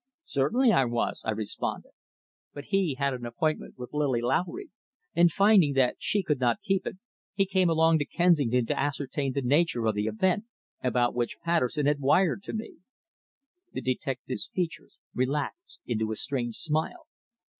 "Certainly I was," I responded. "But he had an appointment with Lily Lowry, and finding that she could not keep it, he came along to Kensington to ascertain the nature of the event about which Patterson had wired to me." The detective's features relaxed into a strange smile.